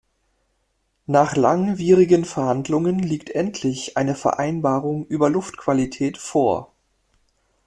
Nach langwierigen Verhandlungen liegt endlich eine Vereinbarung über Luftqualität vor.